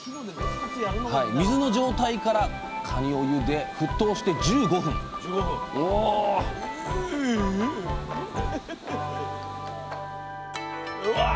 水の状態からかにをゆで沸騰して１５分うわ！